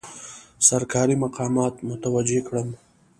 سرکاري مقامات متوجه کړم.